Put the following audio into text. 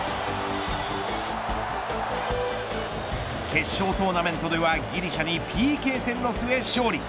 決勝トーナメントではギリシャにＰＫ戦の末勝利。